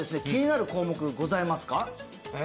気になる項目ございますか？